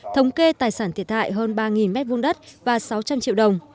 thống kê tài sản thiệt hại hơn ba m hai đất và sáu trăm linh triệu đồng